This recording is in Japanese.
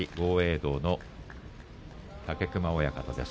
道の武隈親方です。